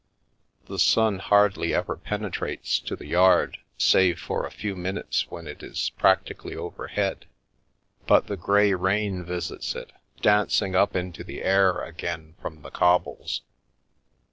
The sun hardly ever pene trates to the yard save for a few minutes when it is practically overhead, but the grey rain visits it, dancing up into the air again from the cobbles.